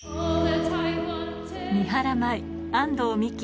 三原舞依安藤美姫